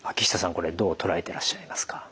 これどう捉えてらっしゃいますか。